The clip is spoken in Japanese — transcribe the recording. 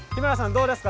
どうですか？